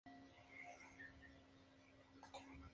La premier se llevó a cabo en el "Baja International Film Festival".